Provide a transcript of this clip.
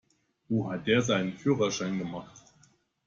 Wo hat der seinen Führerschein gemacht?